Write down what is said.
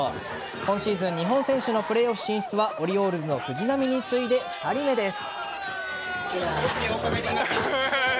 今シーズン日本選手のプレーオフ進出はオリオールズの藤浪に次いで２人目です。